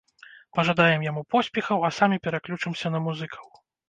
Пажадаем яму поспехаў, а самі пераключымся на музыкаў.